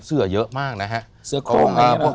เสือเยอะมากนะฮะเสือโครงไงละ